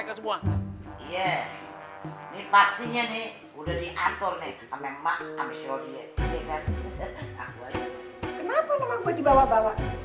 kenapa nama gue dibawa bawa